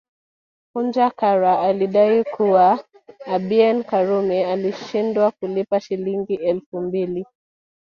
Punja Kara alidai kuwa Abeid Karume alishindwa kulipa Shilingi elfu mbili